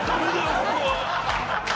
ここは！」。